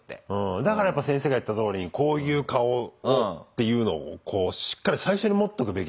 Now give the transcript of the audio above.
だからやっぱ先生が言ったとおりこういう顔をっていうのをこうしっかり最初に持っとくべきなんだろうね。